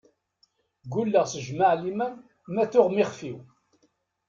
Gulleɣ s jmaɛliman ma tuɣ-m ixef-iw.